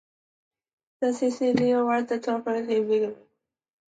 The "cicisbeo" was better tolerated if he was known to be homosexual.